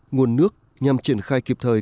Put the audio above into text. nguồn nước nhằm triển khai kịp thời